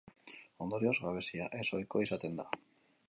Ondorioz, gabezia ez-ohikoa izaten da.